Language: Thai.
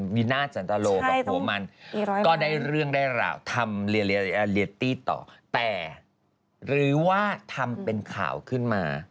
มีนาจันตโลกับหัวมันก็ได้เรื่องได้ราวทำเลตตี้ต่อแต่หรือว่าทำเป็นข่าวขึ้นมา